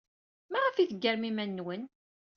Maɣef ay d-teggarem iman-nwen?